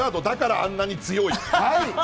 だからあんなに強い。